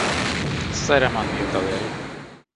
Izaera eman dio taldeari.